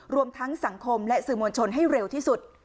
รวมทั้งสังคมและสื่อมวลชนให้เร็วที่สุด